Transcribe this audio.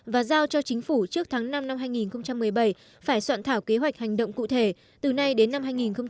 và giao cho chính phủ trước tháng năm năm hai nghìn một mươi bảy phải soạn thảo kế hoạch hành động cụ thể từ nay đến năm hai nghìn hai mươi